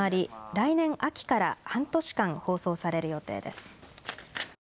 来年秋から半年間放送される予定です。